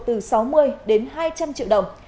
từ sáu mươi đến hai trăm linh triệu đồng